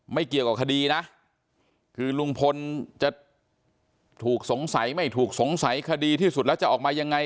ไม่เกี่ยวกับคดีนะคือลุงพลจะถูกสงสัยไม่ถูกสงสัยคดีที่สุดแล้วจะออกมายังไง